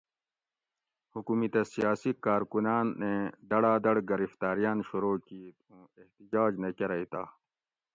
حکومتہ سیاسی کارکناۤن ایں دھڑادھڑ گرفتاۤریان شروع کیت اُوں احتجاج نہ کرئ تہ